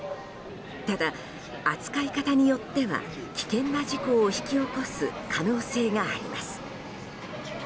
ただ、扱い方によっては危険な事故を引き起こす可能性があります。